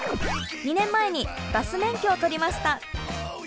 ２年前にバス免許を取りました。